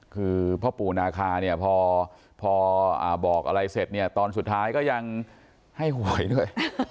คือพ่อปู่นาคาเนี่ยพอบอกอะไรเสร็จเนี่ยตอนสุดท้ายก็ยังให้หวยด้วย